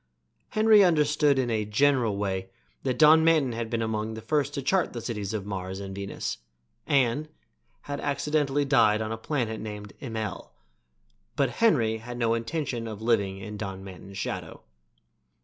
Henry understood in a general way that Don Manton had been among the first to chart the cities of Mars and Venus, and had accidentally died on a planet named Immel; but Henry had no intention of living in Don Manton's shadow.